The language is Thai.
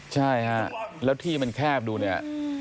ใช่ฮะแล้วที่มันแคบดูเนี่ย